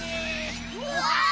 うわ！